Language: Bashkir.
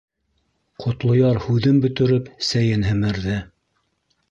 — Ҡотлояр һүҙен бөтөрөп, сәйен һемерҙе.